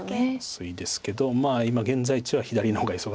薄いですけど今現在地は左の方が忙しいので。